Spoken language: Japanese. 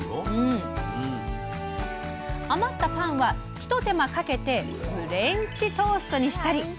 余ったパンは、ひと手間かけてフレンチトーストにしたり。